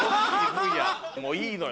もういいのよ。